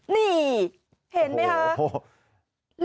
นี่เห็นไหมครับ